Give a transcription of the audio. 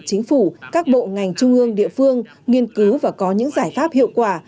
chính phủ các bộ ngành trung ương địa phương nghiên cứu và có những giải pháp hiệu quả